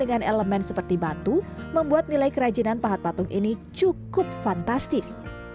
dengan elemen seperti batu membuat nilai kerajinan pahat patung ini cukup fantastis